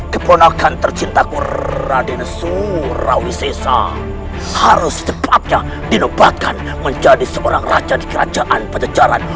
keponakan tercintaku raden surawisesa harus setepatnya dinebatkan menjadi seorang raja di kerajaan pajajaran